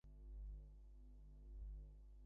তুমি চলে যেতে চাও?